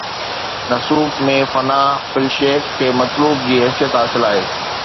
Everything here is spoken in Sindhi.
تصوف ۾ فنا في الشيخ کي مطلوب جي حيثيت حاصل آهي.